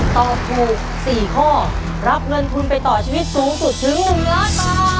ตอบถูก๔ข้อรับเงินทุนไปต่อชีวิตสูงสุดถึง๑ล้านบาท